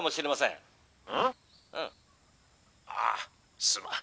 「ん？あすまん」。